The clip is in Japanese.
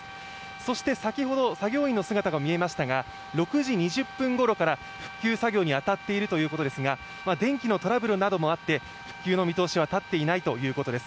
そして先ほど、作業員の姿が見えましたが、６時２０分ごろから復旧作業に当たっているということですが電気のトラブルもあって、復旧の見通しは立っていないということです。